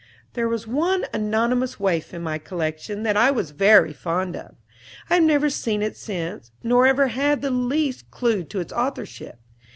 There was one anonymous waif in my collection that I was very fond of. I have never seen it since, nor ever had the least clue to its authorship.